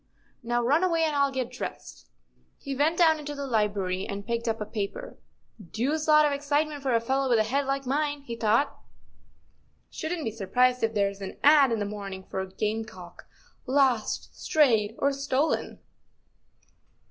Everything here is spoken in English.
Now, run away, and I'll get dressed." He went down into the library and picked up a paper. " Deuced lot of excitement for a fellow with a head like mine," he thought. " Shouldn't be sur¬ prised if there's an ad. in this morning for a game¬ cock * lost, strayed—or stolen.